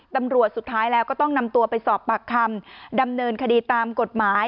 สุดท้ายแล้วก็ต้องนำตัวไปสอบปากคำดำเนินคดีตามกฎหมาย